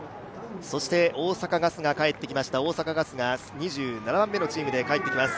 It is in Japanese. そして大阪ガスが帰ってきました、２７番目の順位で帰ってきます。